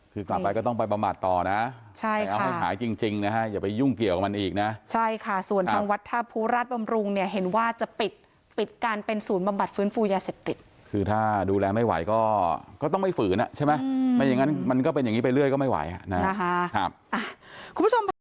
คือกลับไปก็ต้องไปบำบัดต่อนะใช่ค่ะเอาให้หายจริงจริงนะฮะอย่าไปยุ่งเกี่ยวกับมันอีกนะใช่ค่ะส่วนทางวัดท่าภูราชบำรุงเนี่ยเห็นว่าจะปิดปิดการเป็นศูนย์บำบัดฟื้นฟูยาเสพติดคือถ้าดูแลไม่ไหวก็ก็ต้องไม่ฝืนอ่ะใช่ไหมไม่อย่างนั้นมันก็เป็นอย่างนี้ไปเรื่อยก็ไม่ไหวอ่ะนะฮะ